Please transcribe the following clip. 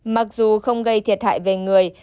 mặc dù không gây thiệt hại về người